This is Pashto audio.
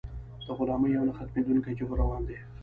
د غلامۍ یو نه ختمېدونکی جبر روان دی.